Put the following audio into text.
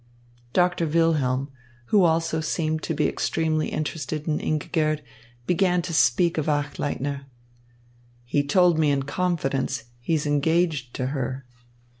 Doctor Wilhelm, who also seemed to be extremely interested in Ingigerd, began to speak of Achleitner. "He told me in confidence, he's engaged to her."